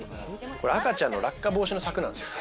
赤ちゃんの落下防止の柵なんですよ。